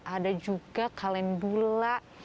ada juga kalendula